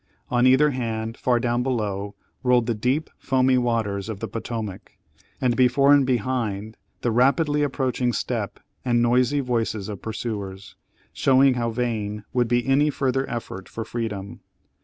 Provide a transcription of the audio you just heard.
On either hand, far down below, rolled the deep foamy waters of the Potomac, and before and behind the rapidly approaching step and noisy voices of pursuers, showing how vain would be any further effort for freedom.